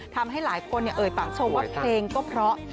ทำให้หลายคนเอ่ยปากชมว่าเพลงก็เพราะ